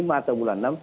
lima atau bulan enam